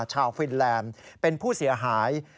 ฟินแลนด์เป็นผู้เสียหาย